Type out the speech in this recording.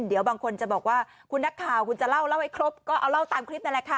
เดี๋ยวบางคนจะบอกว่าคุณนักข่าวคุณจะเล่าเล่าให้ครบก็เอาเล่าตามคลิปนั่นแหละค่ะ